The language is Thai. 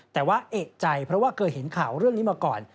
แต่ว่าเอกใจเพราะว่าเคยเห็นข่าวเรื่องนี้มาก่อน